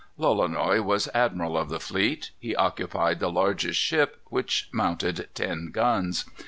Lolonois was admiral of the fleet. He occupied the largest ship, which mounted ten guns.